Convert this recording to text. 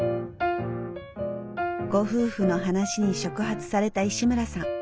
ご夫婦の話に触発された石村さん。